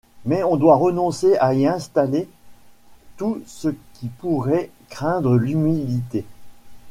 Mais on doit renoncer à y installer tout ce qui pourrait craindre l'humidité.